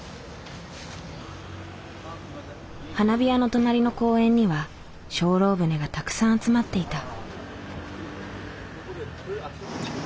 花火屋の隣の公園には精霊船がたくさん集まっていた。